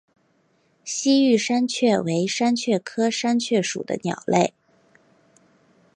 西域山雀为山雀科山雀属的鸟类。